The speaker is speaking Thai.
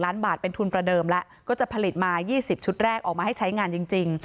ล้านบาทเป็นทุนประเดิมแล้วก็จะผลิตมา๒๐ชุดแรกออกมาให้ใช้งานจริง